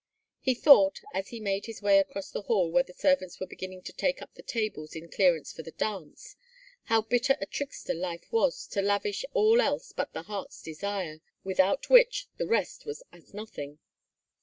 He thought, as he made his way across the hall where the servants were banning to take up the tables in clearance for the dance, how bitter a trickster life was to, lavish all else but the heart's desire, without which the rest was as nothing.